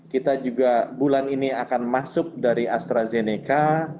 kita juga bulan ini akan masuk dari astrazeneca